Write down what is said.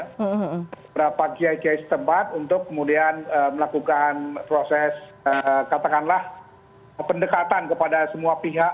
beberapa kiai kiai setempat untuk kemudian melakukan proses katakanlah pendekatan kepada semua pihak